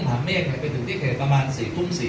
ก็ตำรวจรับแจ้งจริงมีหลักฐานการแจ้ง้เหตุที่